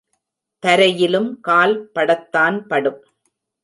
தரையிலும் கால் படத்தான் படும்.